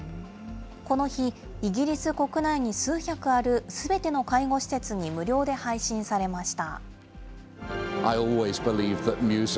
この日、イギリス国内に数百あるすべての介護施設に無料で配信されました。